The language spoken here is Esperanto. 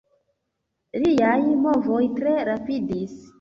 Liaj movoj tre rapidis.